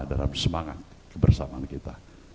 dalam semangat kebersamaan kita